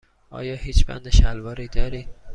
آیا هیچ بند شلواری دارید؟